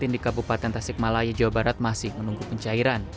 di kabupaten tasikmalaya jawa barat masih menunggu pencairan